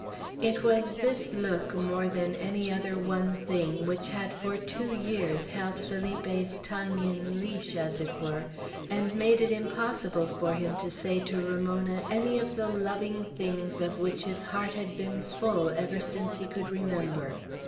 It was this look, more than any other one thing, which had for two years held Felipe's tongue in leash, as it were, and made it impossible for him to say to Ramona any of the loving things of which his heart had been full ever since he could remember.